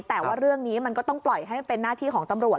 แต่ว่าเรื่องนี้มันก็ต้องปล่อยให้เป็นหน้าที่ของตำรวจ